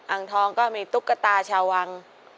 อ่างทองก็มีตุ๊กตาชาววัง